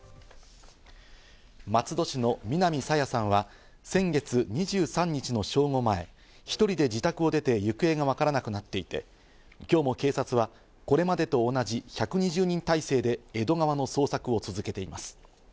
松戸市の南朝芽さんは先月２３日の正午前、１人で自宅を出て行方がわからなくなっていて、今日も警察はこれまでと同じ１２０人態勢で江戸川の捜索を続けています。